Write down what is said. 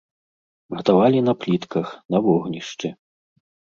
Гатавалі на плітках, на вогнішчы.